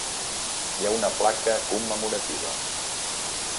Hi ha una placa commemorativa.